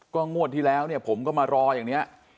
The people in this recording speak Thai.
งวดที่แล้วเนี่ยผมก็มารออย่างนี้